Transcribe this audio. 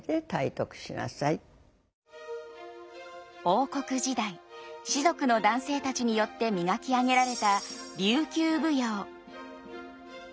王国時代士族の男性たちによって磨き上げられた琉球舞踊。